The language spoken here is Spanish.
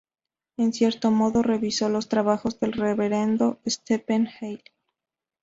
En cierto modo, revisó los trabajos del Reverendo Stephen Hale.